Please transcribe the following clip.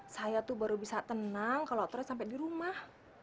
saya tuh baru bisa tenang kalau terus sampai di rumah